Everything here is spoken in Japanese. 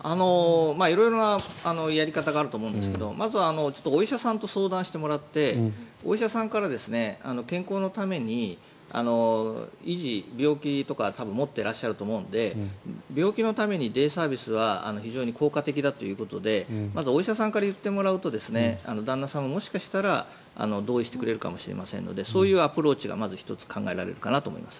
色々なやり方があると思うんですけどまずはお医者さんと相談してもらってお医者さんから健康のために維持病気とか多分持ってらっしゃると思うので病気のためにデイサービスは非常に効果的だということでお医者さんから言ってもらうと旦那さんももしかしたら同意してくれるかもしれませんのでそういうアプローチがまず１つ考えられるかなと思います。